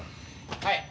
はい。